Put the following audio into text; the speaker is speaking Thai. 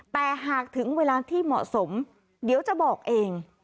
แต่หากถึงเวลาที่เหมาะสมเดี๋ยวจะบอกเอง